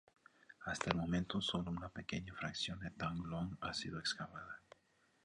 Hasta el momento sólo una pequeña fracción de Thang Long ha sido excavada.